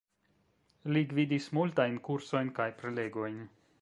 Li gvidis multajn kursojn kaj prelegojn.